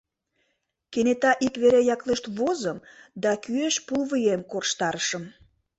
Кенета ик вере яклешт возым да кӱэш пулвуем корштарышым.